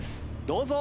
どうぞ。